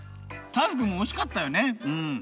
ターズくんもおしかったよねうん。